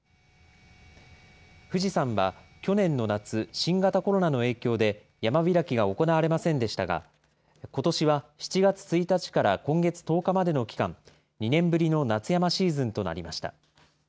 富士山は去年の夏、新型コロナの影響で山開きが行われませんでしたが、ことしは７月１日から今月１０日までの期間、２年ぶりの夏山シーズンとなりました。